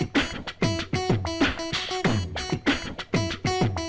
ขอบคุณครับ